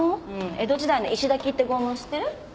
江戸時代の「石抱き」って拷問知ってる？